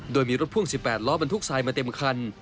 โดยมีรถพ่วง๑๘ล้อบรรทุกทรายมาเต็มคัน